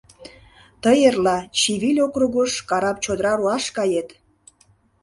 Тый эрла Чивиль округыш карап чодыра руаш кает.